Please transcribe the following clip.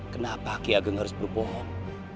kenapa ki ageng harus berbohong